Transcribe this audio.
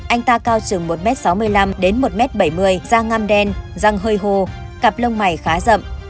anh ta cao chừng một m sáu mươi năm đến một m bảy mươi da ngam đen răng hơi hô cặp lông mày khá rậm